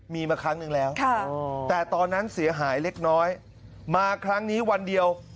มีมาครั้งหนึ่งแล้วแต่ตอนนั้นเสียหายเล็กน้อยมาครั้งนี้วันเดียว